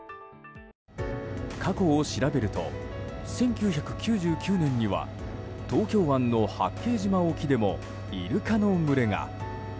過去を調べると１９９９年には東京湾の八景島沖でもイルカの群れが。